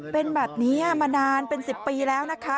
เป็นแบบนี้มานานเป็น๑๐ปีแล้วนะคะ